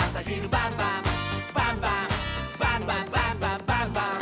「バンバンバンバンバンバン！」